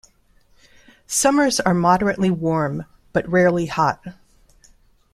Summers are moderately warm but rarely hot.